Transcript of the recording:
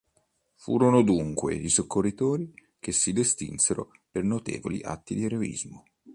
Furono dunque i soccorritori che si distinsero per notevoli atti di eroismo.